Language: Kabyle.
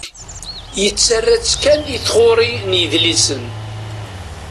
Yettarra-tt kan i tɣuri n yidlisen.